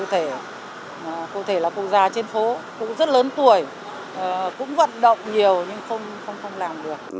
nhưng không làm được